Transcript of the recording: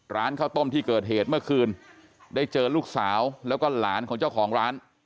ร้านข้าวต้มที่เกิดเหตุเมื่อคืนได้เจอลูกสาวแล้วก็หลานของเจ้าของร้าน